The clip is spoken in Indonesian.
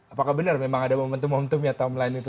apakah benar memang ada momentum momentumnya timeline itu